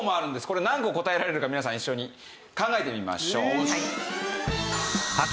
これ何個答えられるか皆さん一緒に考えてみましょう。